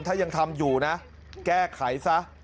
ถ้ายังทำอยู่นะแก้ไขซะ